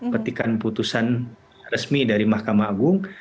petikan putusan resmi dari mahkamah agung